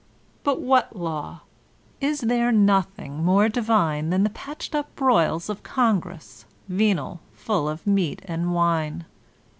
but what law? Is there nothing more divine Than the patched np broils of Gmgress, — venal, full of meat and wme?